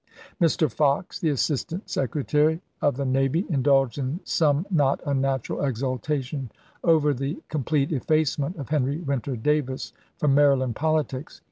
" Mr. Fox, the Assistant Secretary of the Navy, indulged in some not unnatural exultation over the complete effacement of Henry Winter Davis from Maryland politics.